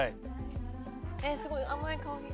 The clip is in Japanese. すごい甘い香り。